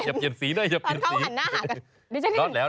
อย่าเปลี่ยนสีเลย